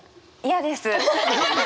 嫌です。